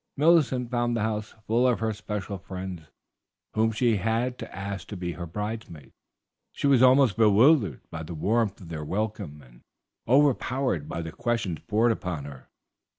Millicent found the house full of her special friends, whom she had asked to be her bridesmaids. She was almost bewildered by the warmth of their welcome, and overpowered by the questions poured upon her.